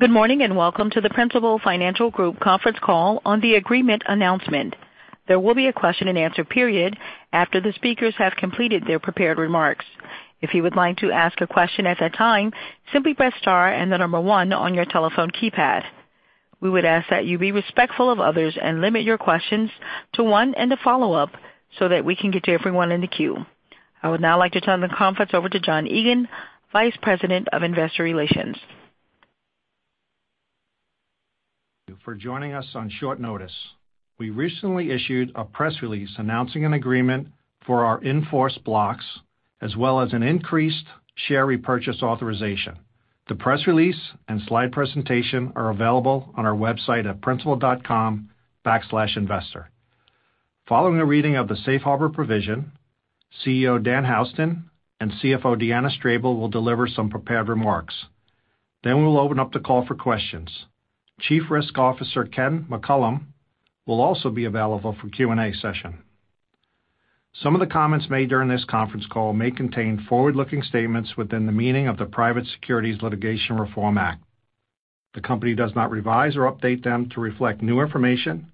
Good morning, and welcome to the Principal Financial Group conference call on the agreement announcement. There will be a question-and-answer period after the speakers have completed their prepared remarks. If you would like to ask a question at that time, simply press star and the number one on your telephone keypad. We would ask that you be respectful of others and limit your questions to one and a follow-up so that we can get to everyone in the queue. I would now like to turn the conference over to John Egan, Vice President of Investor Relations. for joining us on short notice. We recently issued a press release announcing an agreement for our in-force blocks, as well as an increased share repurchase authorization. The press release and slide presentation are available on our website at principal.com/investor. Following a reading of the Safe Harbor provision, CEO Dan Houston and CFO Deanna Strable will deliver some prepared remarks. Then we'll open up the call for questions. Chief Risk Officer Ken McCullum will also be available for Q&A session. Some of the comments made during this conference call may contain forward-looking statements within the meaning of the Private Securities Litigation Reform Act. The company does not revise or update them to reflect new information,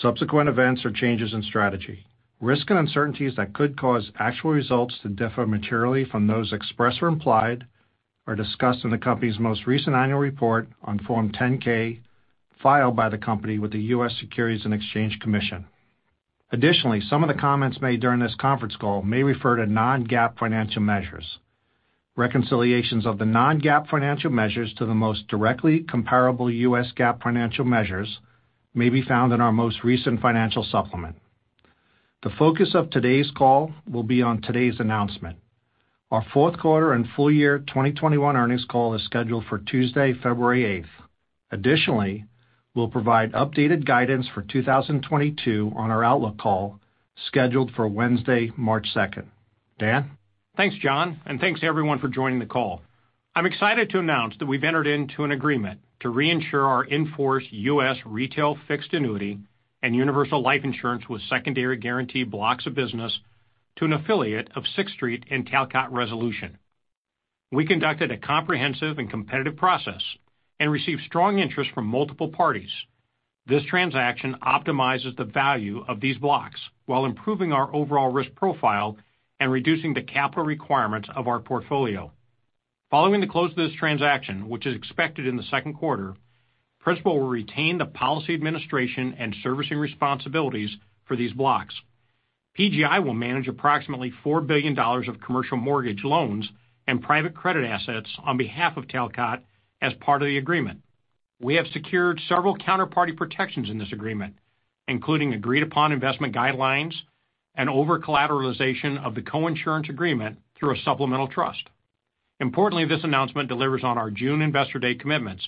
subsequent events, or changes in strategy. Risk and uncertainties that could cause actual results to differ materially from those expressed or implied are discussed in the company's most recent annual report on Form 10-K filed by the company with the U.S. Securities and Exchange Commission. Additionally, some of the comments made during this conference call may refer to non-GAAP financial measures. Reconciliations of the non-GAAP financial measures to the most directly comparable US GAAP financial measures may be found in our most recent financial supplement. The focus of today's call will be on today's announcement. Our Q4 and full year 2021 earnings call is scheduled for Tuesday, February 8. Additionally, we'll provide updated guidance for 2022 on our outlook call scheduled for Wednesday, March 2. Dan? Thanks, John, and thanks to everyone for joining the call. I'm excited to announce that we've entered into an agreement to reinsure our in-force U.S. retail fixed annuity and universal life insurance with secondary guarantee blocks of business to an affiliate of Sixth Street and Talcott Resolution. We conducted a comprehensive and competitive process and received strong interest from multiple parties. This transaction optimizes the value of these blocks while improving our overall risk profile and reducing the capital requirements of our portfolio. Following the close of this transaction, which is expected in the Q2, Principal will retain the policy administration and servicing responsibilities for these blocks. PGI will manage approximately $4 billion of commercial mortgage loans and private credit assets on behalf of Talcott as part of the agreement. We have secured several counterparty protections in this agreement, including agreed-upon investment guidelines and over-collateralization of the coinsurance agreement through a supplemental trust. Importantly, this announcement delivers on our June Investor Day commitments,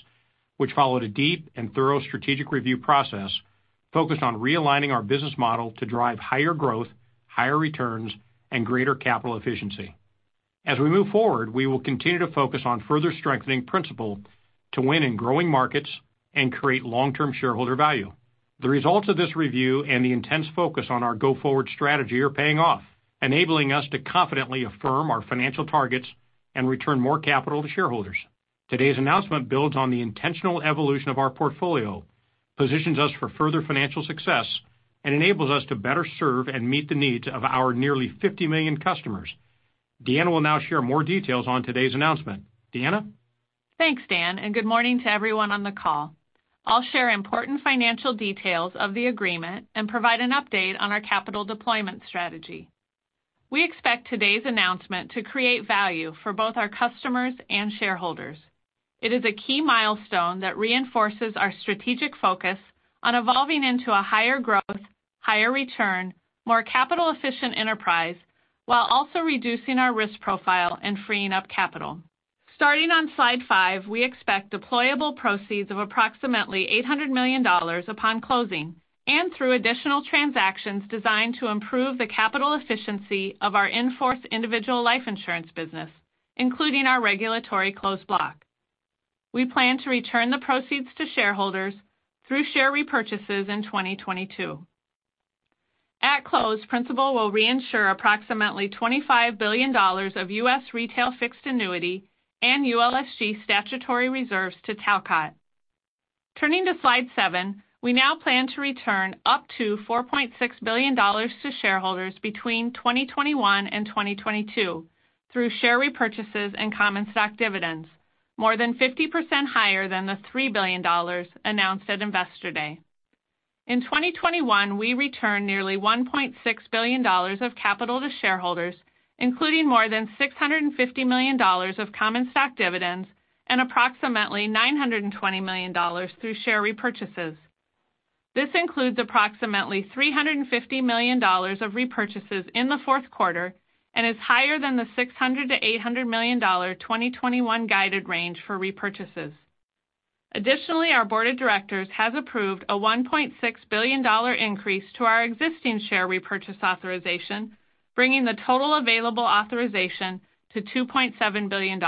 which followed a deep and thorough strategic review process focused on realigning our business model to drive higher growth, higher returns, and greater capital efficiency. As we move forward, we will continue to focus on further strengthening Principal to win in growing markets and create long-term shareholder value. The results of this review and the intense focus on our go-forward strategy are paying off, enabling us to confidently affirm our financial targets and return more capital to shareholders. Today's announcement builds on the intentional evolution of our portfolio, positions us for further financial success, and enables us to better serve and meet the needs of our nearly 50 million customers. Deanna will now share more details on today's announcement. Deanna? Thanks, Dan, and good morning to everyone on the call. I'll share important financial details of the agreement and provide an update on our capital deployment strategy. We expect today's announcement to create value for both our customers and shareholders. It is a key milestone that reinforces our strategic focus on evolving into a higher growth, higher return, more capital-efficient enterprise, while also reducing our risk profile and freeing up capital. Starting on slide 5, we expect deployable proceeds of approximately $800 million upon closing and through additional transactions designed to improve the capital efficiency of our in-force individual life insurance business, including our regulatory closed block. We plan to return the proceeds to shareholders through share repurchases in 2022. At close, Principal will reinsure approximately $25 billion of U.S. retail fixed annuity and ULSG statutory reserves to Talcott. Turning to slide 7. We now plan to return up to $4.6 billion to shareholders between 2021 and 2022 through share repurchases and common stock dividends, more than 50% higher than the $3 billion announced at Investor Day. In 2021, we returned nearly $1.6 billion of capital to shareholders, including more than $650 million of common stock dividends and approximately $920 million through share repurchases. This includes approximately $350 million of repurchases in the Q4 and is higher than the $600 million-$800 million 2021 guided range for repurchases. Additionally, our board of directors has approved a $1.6 billion increase to our existing share repurchase authorization, bringing the total available authorization to $2.7 billion.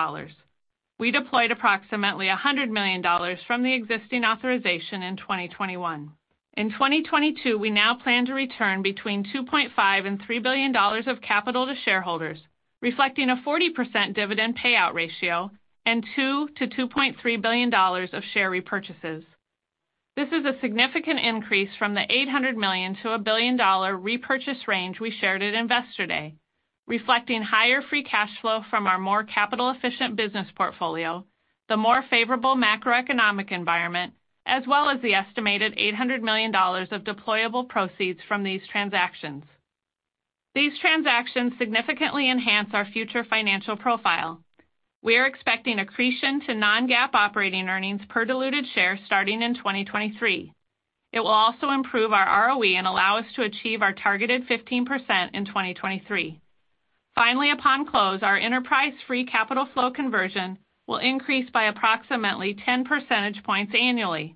We deployed approximately $100 million from the existing authorization in 2021. In 2022, we now plan to return between $2.5 billion and $3 billion of capital to shareholders, reflecting a 40% dividend payout ratio and $2 billion-$2.3 billion of share repurchases. This is a significant increase from the $800 million-$1 billion repurchase range we shared at Investor Day, reflecting higher free cash flow from our more capital efficient business portfolio, the more favorable macroeconomic environment, as well as the estimated $800 million of deployable proceeds from these transactions. These transactions significantly enhance our future financial profile. We are expecting accretion to non-GAAP operating earnings per diluted share starting in 2023. It will also improve our ROE and allow us to achieve our targeted 15% in 2023. Finally, upon close, our enterprise free capital flow conversion will increase by approximately 10 percentage points annually.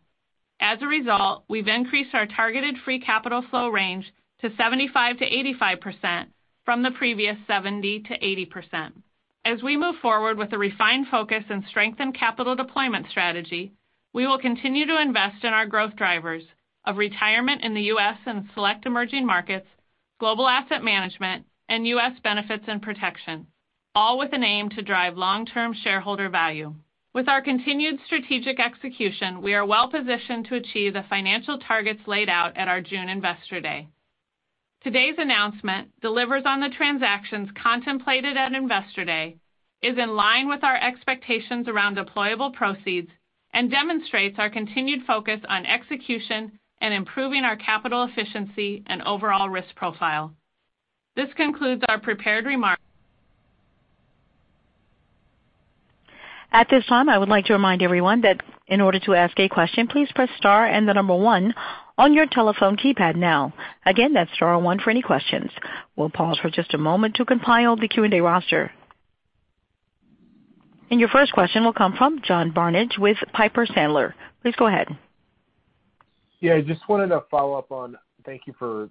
As a result, we've increased our targeted free capital flow range to 75%-85% from the previous 70%-80%. We move forward with a refined focus and strengthened capital deployment strategy. We will continue to invest in our growth drivers of retirement in the U.S. and select emerging markets, global asset management, and U.S. benefits and protection, all with an aim to drive long-term shareholder value. With our continued strategic execution, we are well-positioned to achieve the financial targets laid out at our June Investor Day. Today's announcement delivers on the transactions contemplated at Investor Day, is in line with our expectations around deployable proceeds, and demonstrates our continued focus on execution and improving our capital efficiency and overall risk profile. This concludes our prepared remarks. At this time, I would like to remind everyone that in order to ask a question, please press star and the number one on your telephone keypad now. Again, that's star one for any questions. We'll pause for just a moment to compile the Q&A roster. Your first question will come from John Barnidge with Piper Sandler. Please go ahead. Yeah, thank you for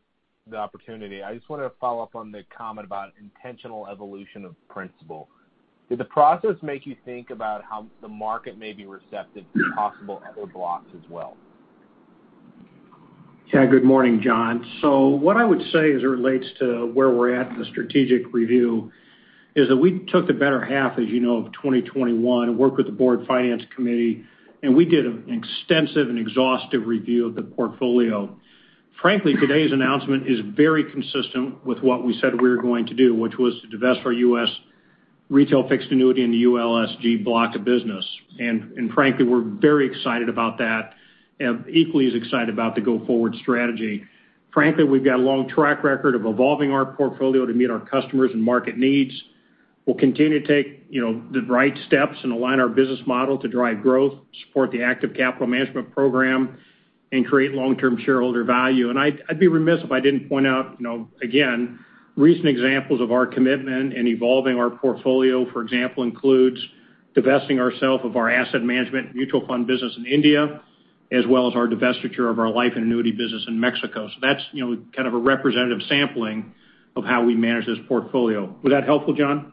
the opportunity. I just wanted to follow up on the comment about intentional evolution of Principal. Did the process make you think about how the market may be receptive to possible other blocks as well? Yeah, good morning, John. What I would say as it relates to where we're at in the strategic review is that we took the better half, as you know, of 2021, worked with the board finance committee, and we did an extensive and exhaustive review of the portfolio. Frankly, today's announcement is very consistent with what we said we were going to do, which was to divest our U.S. retail fixed annuity in the ULSG block of business. Frankly, we're very excited about that and equally as excited about the go-forward strategy. Frankly, we've got a long track record of evolving our portfolio to meet our customers and market needs. We'll continue to take the right steps and align our business model to drive growth, support the active capital management program, and create long-term shareholder value. I'd be remiss if I didn't point out again, recent examples of our commitment in evolving our portfolio, for example, includes divesting ourselves of our asset management mutual fund business in India, as well as our divestiture of our life and annuity business in Mexico. that's kind of a representative sampling of how we manage this portfolio. Was that helpful, John?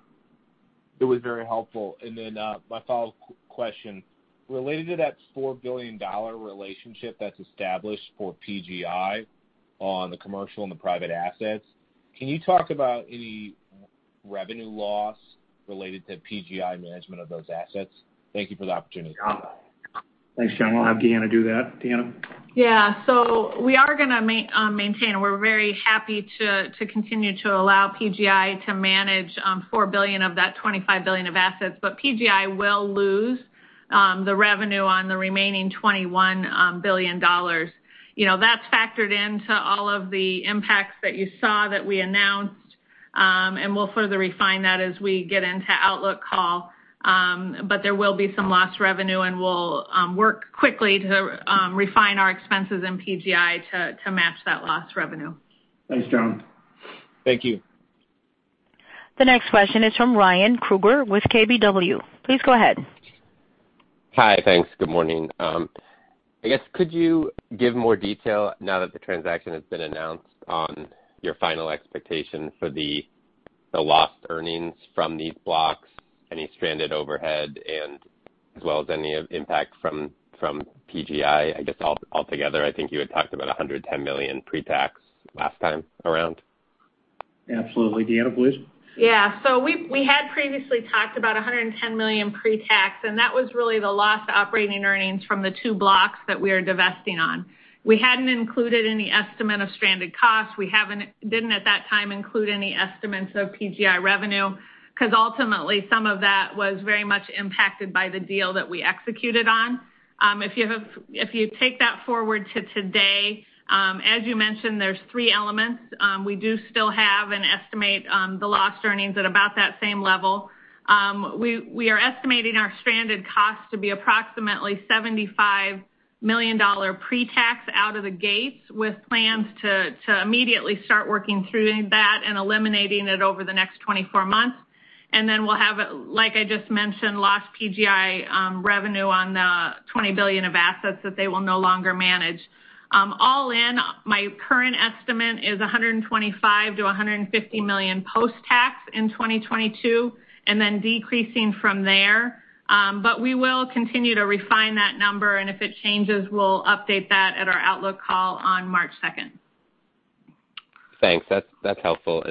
It was very helpful. My follow-up question, related to that $4 billion relationship that's established for PGI on the commercial and the private assets, can you talk about any revenue loss related to PGI management of those assets? Thank you for the opportunity. Thanks, John. We'll have Deanna do that. Deanna? Yeah. We are gonna maintain. We're very happy to continue to allow PGI to manage $4 billion of that $25 billion of assets, but PGI will lose the revenue on the remaining $21 billion. You know, that's factored into all of the impacts that you saw that we announced, and we'll further refine that as we get into outlook call. But there will be some lost revenue, and we'll work quickly to refine our expenses in PGI to match that lost revenue. Thanks, John. Thank you. The next question is from Ryan Krueger with KBW. Please go ahead. Hi. Thanks. Good morning. I guess could you give more detail now that the transaction has been announced on your final expectation for the lost earnings from these blocks, any stranded overhead, and as well as any impact from PGI? I guess altogether, I think you had talked about $110 million pre-tax last time around. Absolutely. Deanna, please. We had previously talked about $110 million pre-tax, and that was really the lost operating earnings from the two blocks that we are divesting on. We hadn't included any estimate of stranded costs. We didn't at that time include any estimates of PGI revenue because ultimately some of that was very much impacted by the deal that we executed on. If you take that forward to today, as you mentioned, there are three elements. We do still have an estimate, the lost earnings at about that same level. We are estimating our stranded costs to be approximately $75 million pre-tax out of the gates with plans to immediately start working through that and eliminating it over the next 24 months. We'll have, like I just mentioned, lost PGI revenue on the $20 billion of assets that they will no longer manage. All in, my current estimate is $125 million-$150 million post-tax in 2022 and then decreasing from there. We will continue to refine that number, and if it changes, we'll update that at our outlook call on March second. Thanks. That's helpful.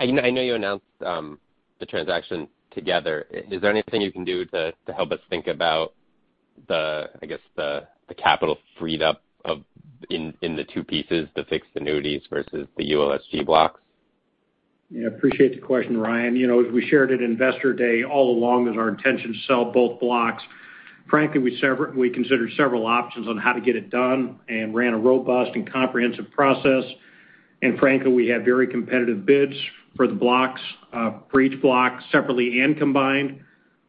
I know you announced the transaction together. Is there anything you can do to help us think about the, I guess, the capital freed up in the two pieces, the fixed annuities versus the ULSG blocks? Yeah, I appreciate the question, Ryan. You know, as we shared at Investor Day, all along it was our intention to sell both blocks. Frankly, we considered several options on how to get it done and ran a robust and comprehensive process. Frankly, we had very competitive bids for the blocks, for each block separately and combined.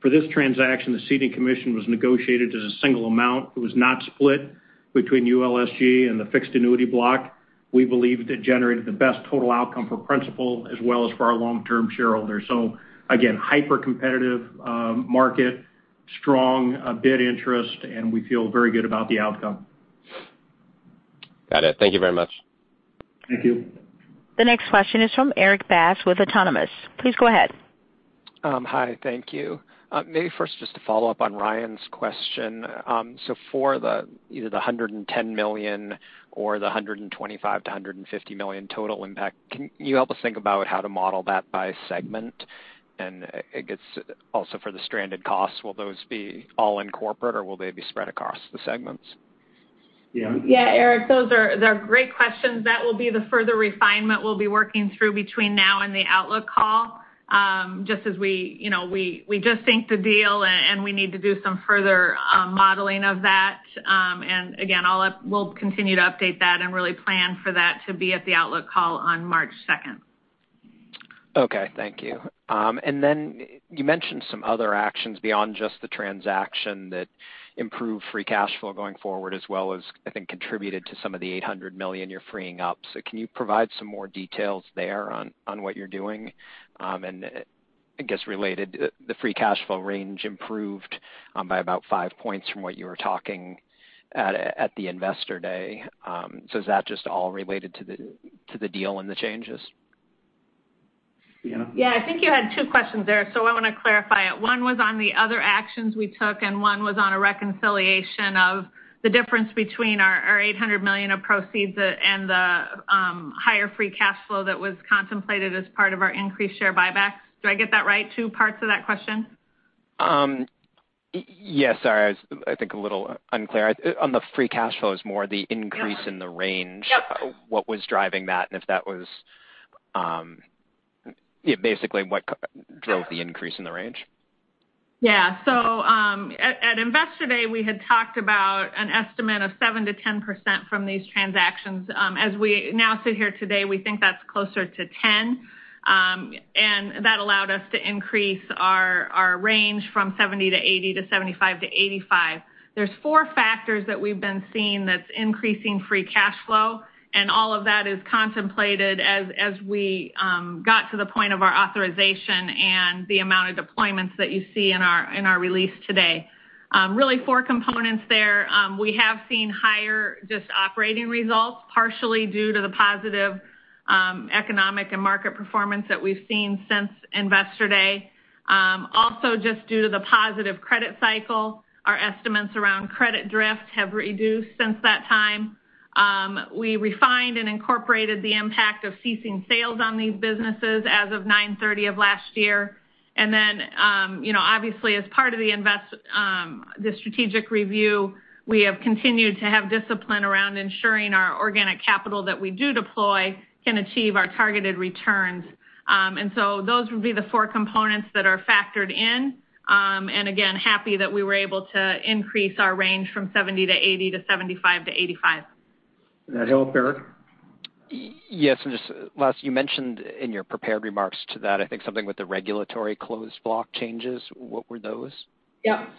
For this transaction, the ceding commission was negotiated as a single amount. It was not split between ULSG and the fixed annuity block. We believe it generated the best total outcome for Principal as well as for our long-term shareholders. Again, hyper-competitive market, strong bid interest, and we feel very good about the outcome. Got it. Thank you very much. Thank you. The next question is from Erik Bass with Autonomous. Please go ahead. Hi. Thank you. Maybe first just to follow up on Ryan's question. So for either the $110 million or the $125-$150 million total impact, can you help us think about how to model that by segment? I guess also for the stranded costs, will those be all in corporate or will they be spread across the segments? Deanna? Yeah, Erik, those are, they're great questions. That will be the further refinement we'll be working through between now and the outlook call. Just as we just inked the deal and we need to do some further modeling of that. Again, we'll continue to update that and really plan for that to be at the outlook call on March second. Okay. Thank you. You mentioned some other actions beyond just the transaction that improve free capital flow going forward as well as, I think, contributed to some of the $800 million you're freeing up. Can you provide some more details there on what you're doing? I guess related, the free capital flow range improved by about 5 points from what you were talking at the Investor Day. Is that just all related to the deal and the changes? Deanna? Yeah, I think you had two questions there, so I want to clarify it. One was on the other actions we took, and one was on a reconciliation of the difference between our $800 million of proceeds and the higher free capital flow that was contemplated as part of our increased share buyback. Do I get that right, two parts of that question? Yes, sorry. I was, I think, a little unclear. On the free cash flow is more the increase. Yeah in the range. Yep. Yeah, basically what drove the increase in the range? Yeah. At Investor Day, we had talked about an estimate of 7%-10% from these transactions. As we now sit here today, we think that's closer to 10%. That allowed us to increase our range from 70-80 to 75-85. There are four factors that we've been seeing that's increasing free capital flow, and all of that is contemplated as we got to the point of our authorization and the amount of deployments that you see in our release today. Really four components there. We have seen higher just operating results, partially due to the positive economic and market performance that we've seen since Investor Day. Also just due to the positive credit cycle, our estimates around credit drift have reduced since that time. We refined and incorporated the impact of ceasing sales on these businesses as of 9/30 of last year. You know, obviously as part of the strategic review, we have continued to have discipline around ensuring our organic capital that we do deploy can achieve our targeted returns. Those would be the four components that are factored in. Again, happy that we were able to increase our range from 70-80 to 75-85. Did that help, Erik? Yes. Just last, you mentioned in your prepared remarks to that, I think something with the regulatory closed block changes. What were those? Yep.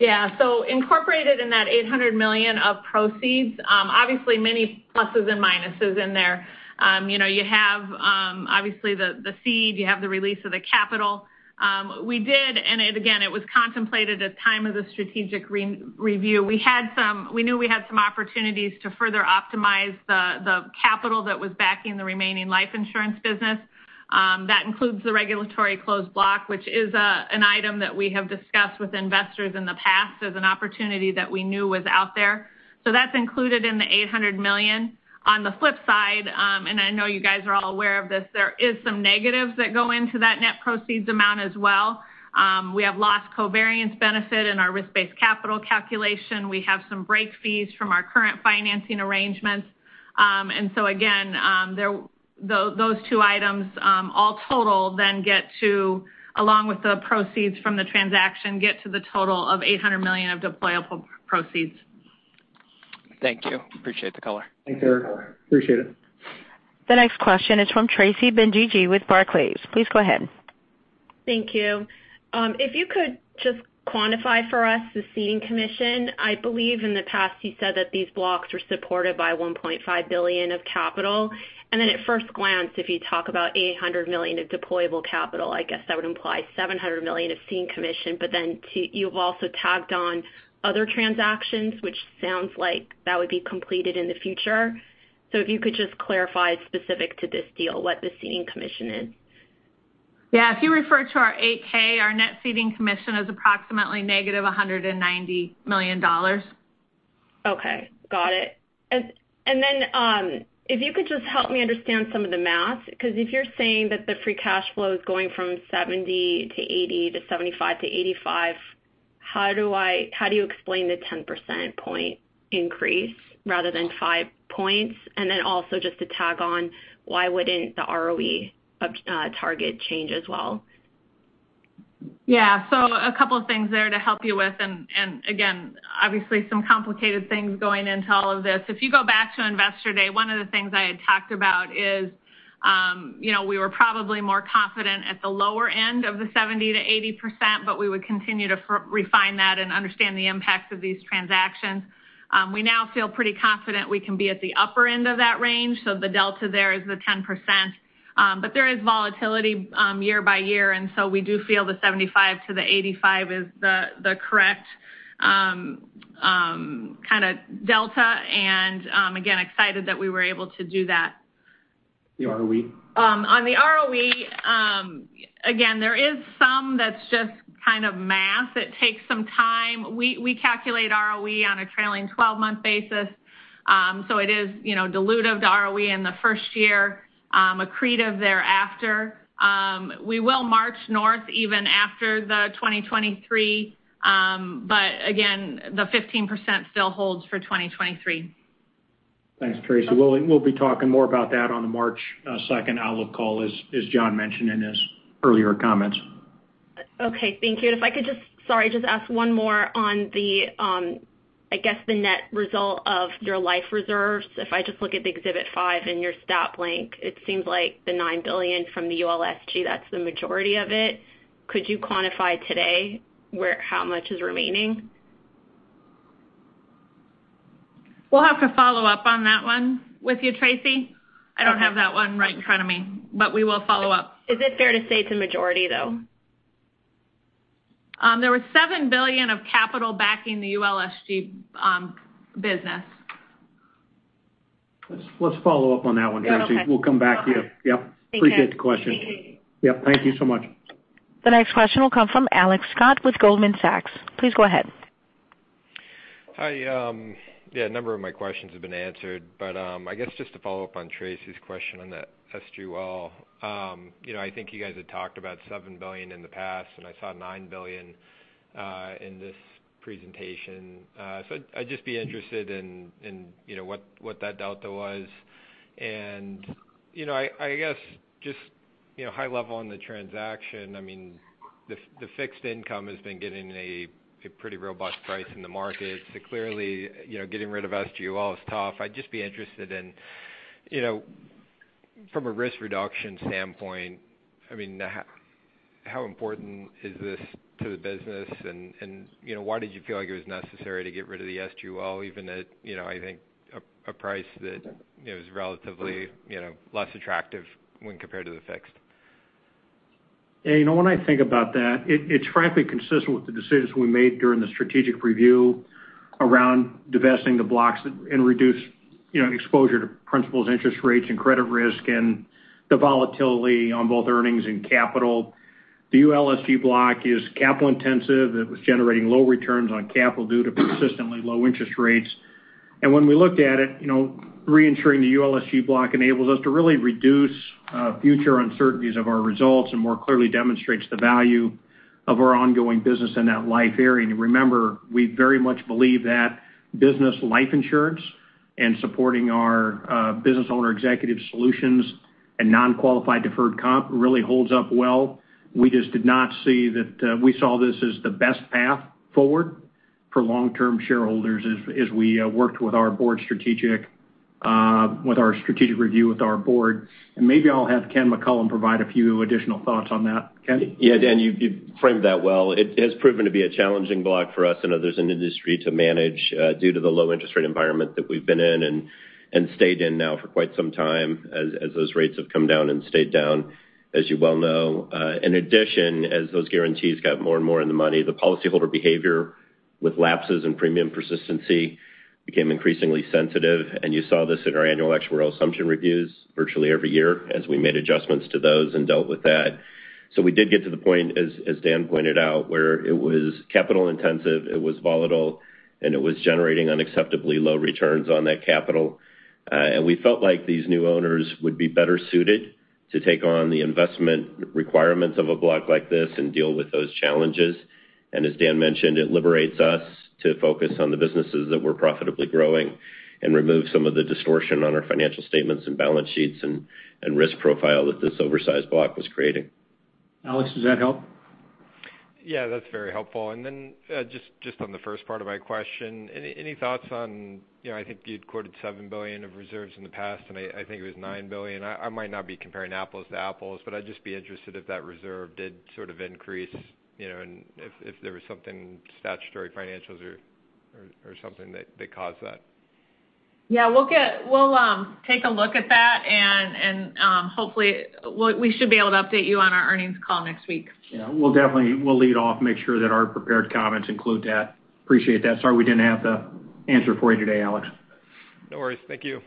Yeah. Incorporated in that $800 million of proceeds, obviously many pluses and minuses in there. You know, you have obviously the cede, you have the release of the capital. It was contemplated at the time of the strategic review. We knew we had some opportunities to further optimize the capital that was backing the remaining life insurance business. That includes the regulatory closed block, which is an item that we have discussed with investors in the past as an opportunity that we knew was out there. That's included in the $800 million. On the flip side, I know you guys are all aware of this, there is some negatives that go into that net proceeds amount as well. We have lost covariance benefit in our risk-based capital calculation. We have some break fees from our current financing arrangements. Again, those two items all total then get to, along with the proceeds from the transaction, get to the total of $800 million of deployable proceeds. Thank you. I appreciate the color. Thanks, Erik. Appreciate it. The next question is from Tracy Benguigui with Goldman Sachs. Please go ahead. Thank you. If you could just quantify for us the ceding commission. I believe in the past you said that these blocks were supported by $1.5 billion of capital. Then at first glance, if you talk about $800 million of deployable capital, I guess that would imply $700 million of ceding commission. You've also tagged on other transactions, which sounds like that would be completed in the future. If you could just clarify specific to this deal what the ceding commission is. Yeah, if you refer to our 8-K, our net ceding commission is approximately negative $190 million. Okay, got it. Then, if you could just help me understand some of the math, 'cause if you're saying that the free cash flow is going from 70-80 to 75-85, how do you explain the 10 percentage point increase rather than 5 points? Also just to tag on, why wouldn't the ROE target change as well? Yeah. A couple things there to help you with and again, obviously, some complicated things going into all of this. If you go back to Investor Day, one of the things I had talked about is we were probably more confident at the lower end of the 70%-80%, but we would continue to refine that and understand the impacts of these transactions. We now feel pretty confident we can be at the upper end of that range, so the delta there is the 10%. There is volatility year by year, and so we do feel the 75%-85% is the correct kinda delta. Again, excited that we were able to do that. The ROE? On the ROE, again, there is some that's just kind of math. It takes some time. We calculate ROE on a trailing twelve-month basis. It is dilutive to ROE in the first year, accretive thereafter. We will march north even after 2023, but again, the 15% still holds for 2023. Thanks, Tracy. We'll be talking more about that on the March second outlook call, as John mentioned in his earlier comments. Okay, thank you. If I could just, sorry, just ask one more on the, I guess the net result of your life reserves. If I just look at the Exhibit 5 in your financial supplement, it seems like the $9 billion from the ULSG, that's the majority of it. Could you quantify today where, how much is remaining? We'll have to follow up on that one with you, Tracy. I don't have that one right in front of me, but we will follow up. Is it fair to say it's a majority, though? There was $7 billion of capital backing the ULSG business. Let's follow up on that one, Tracy. Okay. We'll come back to you. Yep. Thank you. appreciate the question. Mm-hmm. Yep, thank you so much. The next question will come from Alex Scott with Goldman Sachs. Please go ahead. Hi, yeah, a number of my questions have been answered. I guess just to follow up on Tracy's question on that ULSG. You know, I think you guys had talked about $7 billion in the past, and I saw $9 billion in this presentation. So I'd just be interested in what that delta was. You know, I guess just high level on the transaction, I mean, the fixed income has been getting a pretty robust price in the market. So clearly getting rid of ULSG is tough. I'd just be interested in from a risk reduction standpoint, I mean, how important is this to the business? you know, why did you feel like it was necessary to get rid of the ULSG even at I think a price that is relatively less attractive when compared to the fixed? yeah when I think about that, it's frankly consistent with the decisions we made during the strategic review around divesting the blocks and reduce exposure to Principal's interest rates and credit risk and the volatility on both earnings and capital. The ULSG block is capital intensive. It was generating low returns on capital due to consistently low interest rates. When we looked at it reinsuring the ULSG block enables us to really reduce future uncertainties of our results and more clearly demonstrates the value of our ongoing business in that life area. Remember, we very much believe that business life insurance and supporting our business owner executive solutions and non-qualified deferred comp really holds up well. We just did not see that. We saw this as the best path forward for long-term shareholders as we worked with our strategic review with our board. Maybe I'll have Ken McCullum provide a few additional thoughts on that. Ken? Yeah, Dan, you've framed that well. It has proven to be a challenging block for us and others in the industry to manage due to the low interest rate environment that we've been in and stayed in now for quite some time as those rates have come down and stayed down as you well know. In addition, as those guarantees got more and more in the money, the policyholder behavior with lapses in premium persistency became increasingly sensitive, and you saw this in our annual actuarial assumption reviews virtually every year as we made adjustments to those and dealt with that. We did get to the point, as Dan pointed out, where it was capital intensive, it was volatile, and it was generating unacceptably low returns on that capital. We felt like these new owners would be better suited to take on the investment requirements of a block like this and deal with those challenges. As Dan mentioned, it liberates us to focus on the businesses that we're profitably growing and remove some of the distortion on our financial statements and balance sheets and risk profile that this oversized block was creating. Alex, does that help? Yeah, that's very helpful. Then, just on the first part of my question, any thoughts on I think you'd quoted $7 billion of reserves in the past, and I think it was $9 billion. I might not be comparing apples to apples, but I'd just be interested if that reserve did sort of increase and if there was something statutory financials or something that caused that. Yeah, we'll take a look at that, and hopefully, we should be able to update you on our earnings call next week. Yeah, we'll definitely, we'll lead off, make sure that our prepared comments include that. Appreciate that. Sorry we didn't have the answer for you today, Alex. No worries. Thank you.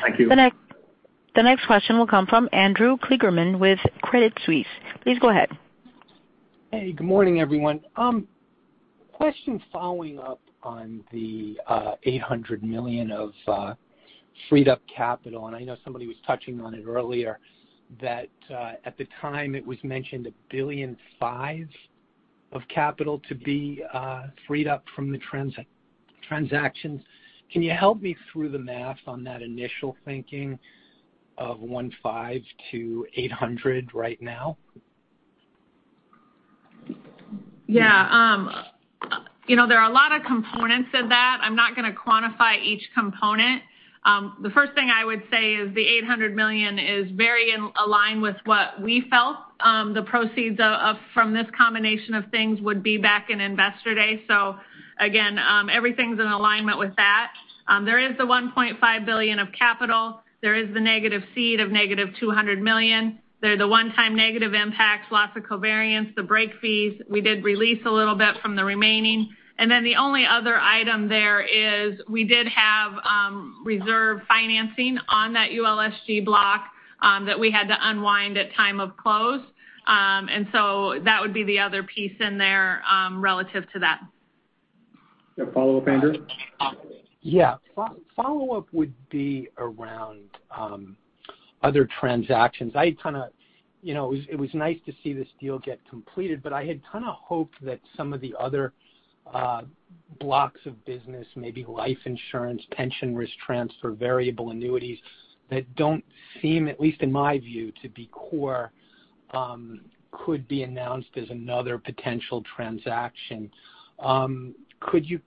Thank you. The next question will come from Andrew Kligerman with Credit Suisse. Please go ahead. Hey, good morning, everyone. Question following up on the $800 million of freed up capital, and I know somebody was touching on it earlier that at the time it was mentioned $1.5 billion of capital to be freed up from the transaction. Can you help me through the math on that initial thinking of $1.5 billion to $800 million right now? Yeah. You know, there are a lot of components of that. I'm not gonna quantify each component. The first thing I would say is the $800 million is very aligned with what we felt, the proceeds from this combination of things would be back in Investor Day. Again, everything's in alignment with that. There is the $1.5 billion of capital. There is the negative ceding of negative $200 million. There are the one-time negative impacts, lots of covenants, the breakup fees. We did release a little bit from the remaining. Then the only other item there is we did have, reserve financing on that ULSG block, that we had to unwind at time of close. That would be the other piece in there, relative to that. Follow-up, Andrew? Yeah. Follow-up would be around other transactions. You know, it was nice to see this deal get completed, but I had kind of hoped that some of the other blocks of business, maybe life insurance, pension risk transfer, variable annuities that don't seem, at least in my view, to be core, could be announced as another potential transaction. Could you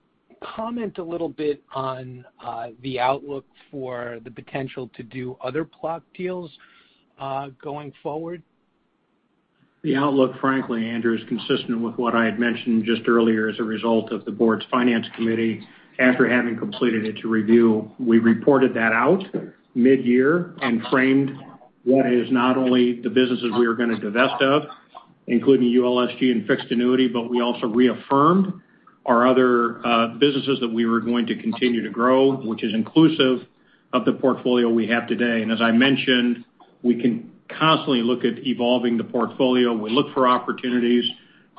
comment a little bit on the outlook for the potential to do other block deals going forward? The outlook, frankly, Andrew, is consistent with what I had mentioned just earlier as a result of the board's finance committee after having completed its review. We reported that at mid-year and framed what is not only the businesses we are going to divest of, including ULSG and fixed annuity, but we also reaffirmed our other, businesses that we were going to continue to grow, which is inclusive of the portfolio we have today. We can constantly look at evolving the portfolio. We look for opportunities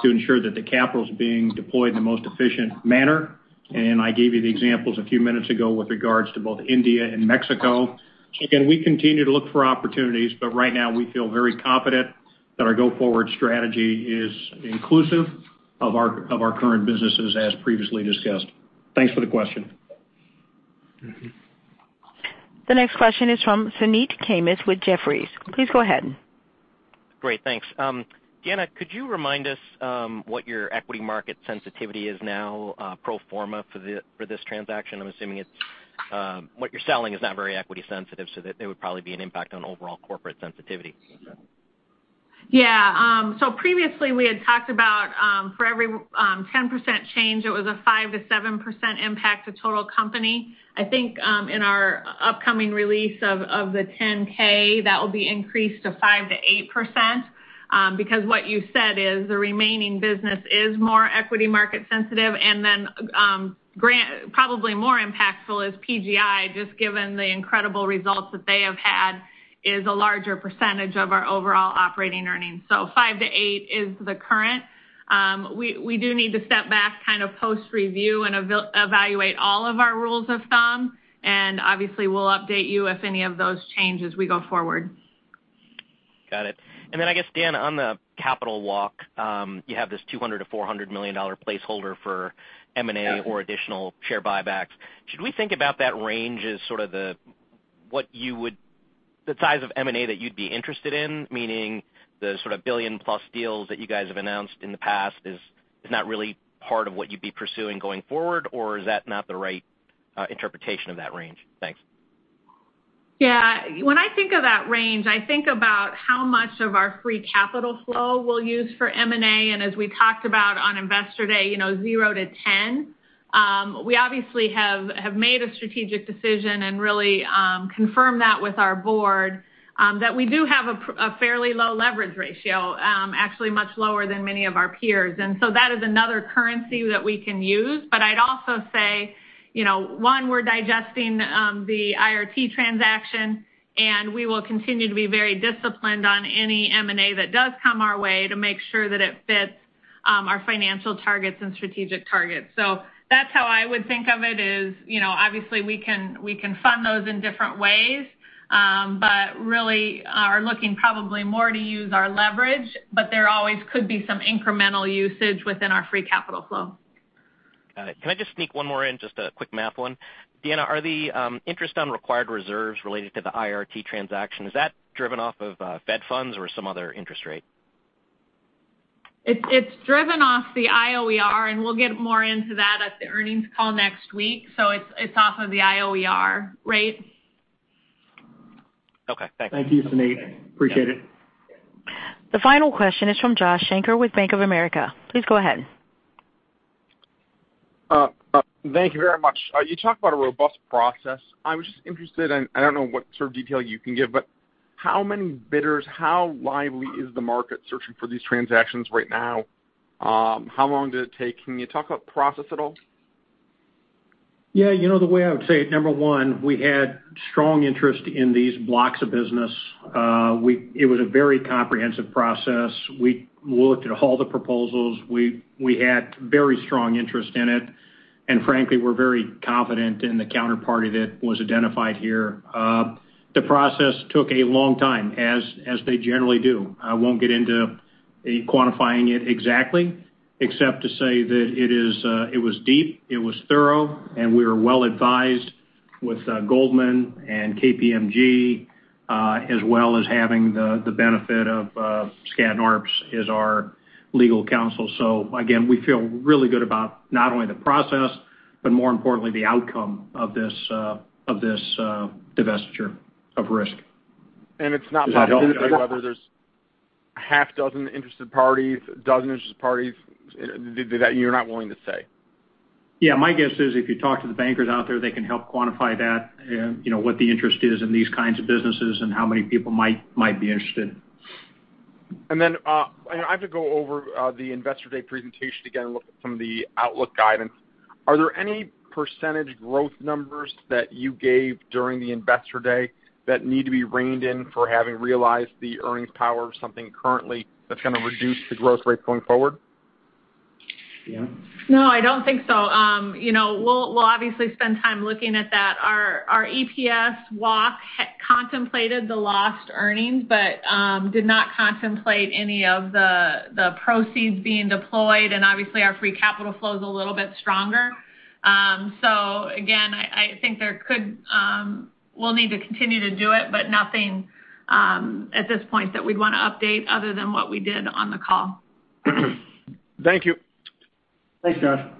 to ensure that the capital is being deployed in the most efficient manner. I gave you the examples a few minutes ago with regards to both India and Mexico. Again, we continue to look for opportunities, but right now we feel very confident that our go-forward strategy is inclusive of our current businesses as previously discussed. Thanks for the question. The next question is from Suneet Kamath with Jefferies. Please go ahead. Great, thanks. Deanna, could you remind us what your equity market sensitivity is now pro forma for this transaction? I'm assuming it's what you're selling is not very equity sensitive, so that there would probably be an impact on overall corporate sensitivity. Yeah. Previously we had talked about, for every 10% change, it was a 5%-7% impact to total company. I think, in our upcoming release of the 10-K, that will be increased to 5%-8%. Because what you said is the remaining business is more equity market sensitive. Probably more impactful is PGI, just given the incredible results that they have had is a larger percentage of our overall operating earnings. 5%-8% is the current. We do need to step back kind of post-review and evaluate all of our rules of thumb, and obviously we'll update you if any of those change as we go forward. Got it. I guess, Dan, on the capital walk, you have this $200 million-$400 million placeholder for M&A or additional share buybacks. Should we think about that range as sort of the size of M&A that you'd be interested in? Meaning the sort of billion-plus deals that you guys have announced in the past is not really part of what you'd be pursuing going forward, or is that not the right interpretation of that range? Thanks. Yeah. When I think of that range, I think about how much of our free capital flow we'll use for M&A. As we talked about on Investor day 0-10. We obviously have made a strategic decision and really confirmed that with our board that we do have a fairly low leverage ratio, actually much lower than many of our peers. That is another currency that we can use. I'd also say one, we're digesting the IRT transaction, and we will continue to be very disciplined on any M&A that does come our way to make sure that it fits our financial targets and strategic targets. That's how I would think of it is obviously we can fund those in different ways. Really are looking probably more to use our leverage, but there always could be some incremental usage within our free capital flow. Got it. Can I just sneak one more in? Just a quick math one. Deanna, are the interest on required reserves related to the IRT transaction, is that driven off of Fed funds or some other interest rate? It's driven off the IOER, and we'll get more into that at the earnings call next week. It's off of the IOER rate. Okay. Thanks. Thank you, Suneet. Appreciate it. The final question is from Josh Shanker with Bank of America. Please go ahead. Thank you very much. You talked about a robust process. I was just interested in, I don't know what sort of detail you can give, but how many bidders, how lively is the market searching for these transactions right now? How long did it take? Can you talk about process at all? Yeah. You know, the way I would say it, number one, we had strong interest in these blocks of business. It was a very comprehensive process. We looked at all the proposals. We had very strong interest in it, and frankly, we're very confident in the counterparty that was identified here. The process took a long time, as they generally do. I won't get into quantifying it exactly except to say that it was deep, it was thorough, and we were well advised with Goldman and KPMG, as well as having the benefit of Skadden, Arps as our legal counsel. So again, we feel really good about not only the process, but more importantly, the outcome of this divestiture of risk. It's not whether there's a half dozen or a dozen interested parties that you're not willing to say. Yeah. My guess is if you talk to the bankers out there, they can help quantify that what the interest is in these kinds of businesses and how many people might be interested. I have to go over the Investor Day presentation again and look at some of the outlook guidance. Are there any percentage growth numbers that you gave during the Investor Day that need to be reined in for having realized the earnings power of something currently that's gonna reduce the growth rate going forward? Deanna? No, I don't think so. You know, we'll obviously spend time looking at that. Our EPS walk contemplated the lost earnings but did not contemplate any of the proceeds being deployed. Obviously, our free capital flow is a little bit stronger. Again, I think there could. We'll need to continue to do it, but nothing at this point that we'd wanna update other than what we did on the call. Thank you. Thanks, John.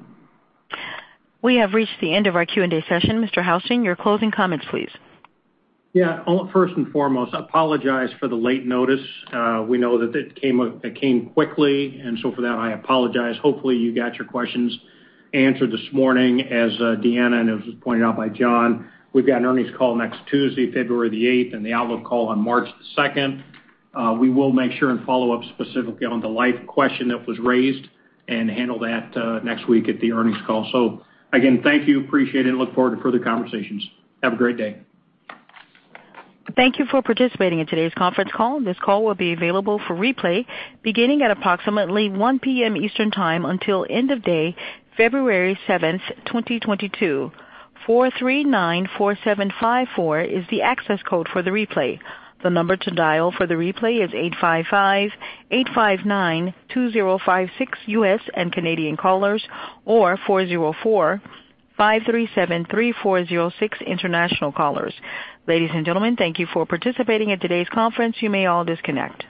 We have reached the end of our Q&A session. Mr. Houston, your closing comments, please. Yeah. First and foremost, I apologize for the late notice. We know that it came quickly, and so for that, I apologize. Hopefully, you got your questions answered this morning. As Deanna and John pointed out, we've got an earnings call next Tuesday, February 8, and the outlook call on March 2. We will make sure and follow up specifically on the life question that was raised and handle that next week at the earnings call. Again, thank you. Appreciate it, and look forward to further conversations. Have a great day. Thank you for participating in today's conference call. This call will be available for replay beginning at approximately 1:00 P.M. Eastern time until end of day, February 7, 2022. 4394754 is the access code for the replay. The number to dial for the replay is 855-859-2056 U.S. and Canadian callers, or 404-537-3406 international callers. Ladies and gentlemen, thank you for participating in today's conference. You may all disconnect.